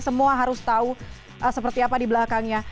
semua harus tahu seperti apa di belakangnya